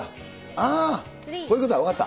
ああ、こういうことだ、分かった。